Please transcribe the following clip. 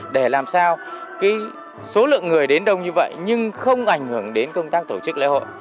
để làm sao số lượng người đến đông như vậy nhưng không ảnh hưởng đến công tác tổ chức lễ hội